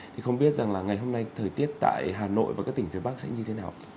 thì không biết rằng là ngày hôm nay thời tiết tại hà nội và các tỉnh phía bắc sẽ như thế nào